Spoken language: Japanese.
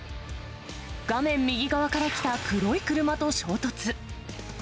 画面右側から来た黒い車と衝突。